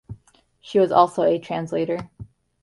She was also a translator.